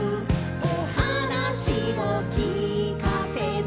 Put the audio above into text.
「おはなしをきかせて」